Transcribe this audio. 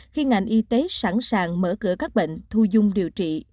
khi ngành y tế sẵn sàng mở cửa các bệnh thu dung điều trị